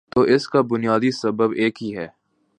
تو اس کا بنیادی سبب ایک ہی ہے۔